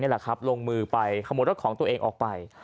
แหละครับลงมือไปขโมยรถของตัวเองออกไป